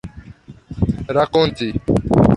rakonti